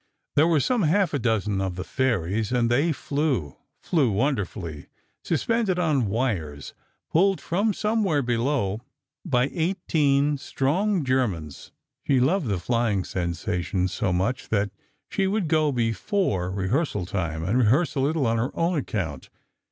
There were some half a dozen of the fairies, and they flew—flew wonderfully, suspended on wires, pulled from somewhere below by eighteen strong Germans. She loved the flying sensation—so much that she would go before rehearsal time and rehearse a little on her own account.